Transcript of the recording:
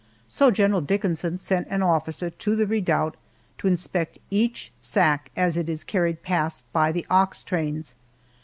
So General Dickinson sent an officer to the redoubt to inspect each sack as it is carried past by the ox trains.